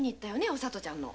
お里ちゃんの。